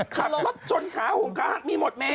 ขับรถจนขาหงขาหักมีหมดเม